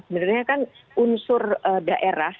sebenarnya kan unsur daerah